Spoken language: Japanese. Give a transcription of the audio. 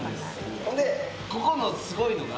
ほんでここのすごいのが。